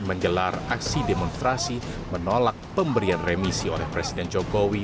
menggelar aksi demonstrasi menolak pemberian remisi oleh presiden jokowi